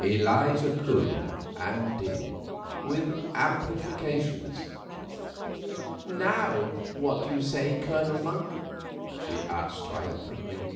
Eliza could and did—with amplifications. "Now, what do you say, Colonel Monk?" she asked triumphantly.